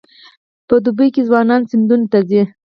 په دوبي کې ځوانان سیندونو ته ځي.